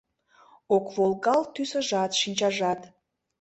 Ок волгалт тӱсыжат, шинчажат.